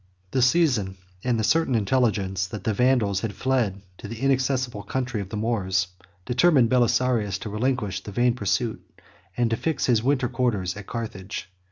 22 The season, and the certain intelligence that the Vandal had fled to an inaccessible country of the Moors, determined Belisarius to relinquish the vain pursuit, and to fix his winter quarters at Carthage.